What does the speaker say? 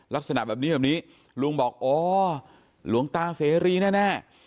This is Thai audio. ลักษณะแบบนี้แบบนี้ลุงบอกอ๋อหลวงตาเสรีแน่